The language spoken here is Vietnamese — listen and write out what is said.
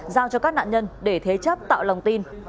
giao cho các nạn nhân để thế chấp tạo lòng tin